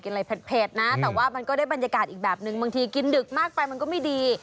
อะไรเผ็ดนะแต่ว่ามันก็ได้บรรยากาศอีกแบบนึงบางทีกินดึกมากไปมันก็ไม่ดี